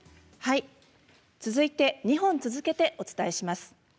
続いて２本続けてお伝えします。